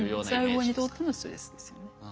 細胞にとってのストレスですよね。